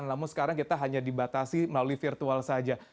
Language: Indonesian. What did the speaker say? namun sekarang kita hanya dibatasi melalui virtual saja